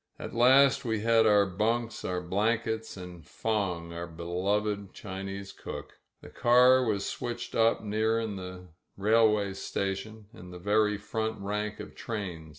At last we had our bunks, our blankets, and Fong, our beloved Chinese cook. The car was switched up near in the railway station — ^in the very front rank of trains.